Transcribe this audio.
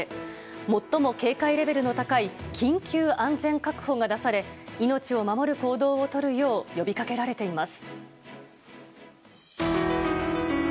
最も警戒レベルの高い緊急安全確保が出され命を守る行動をとるよう呼びかけられています。